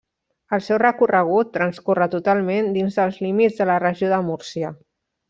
El seu recorregut transcorre totalment dins dels límits de la Regió de Múrcia.